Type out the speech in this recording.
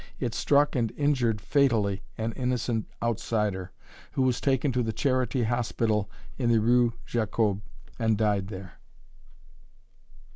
It struck and injured fatally an innocent outsider, who was taken to the Charity Hospital, in the rue Jacob, and died there.